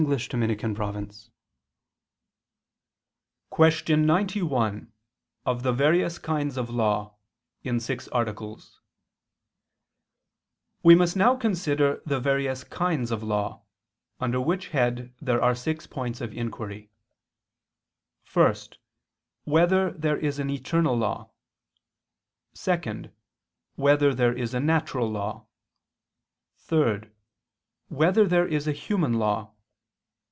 ________________________ QUESTION 91 OF THE VARIOUS KINDS OF LAW (In Six Articles) We must now consider the various kinds of law: under which head there are six points of inquiry: (1) Whether there is an eternal law? (2) Whether there is a natural law? (3) Whether there is a human law?